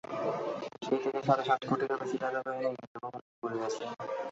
সেই থেকে সাড়ে সাত কোটিরও বেশি টাকা ব্যয়ে নির্মিত ভবনটি পড়ে আছে।